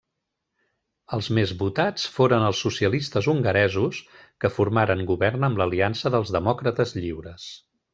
Els més votats foren els socialistes hongaresos, que formaren govern amb l'Aliança dels Demòcrates Lliures.